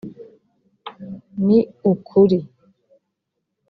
ni ukuri